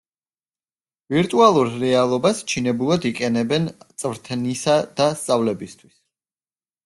ვირტუალურ რეალობას ჩინებულად იყენებენ წვრთნისა და სწავლებისთვის.